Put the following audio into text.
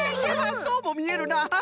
そうもみえるな！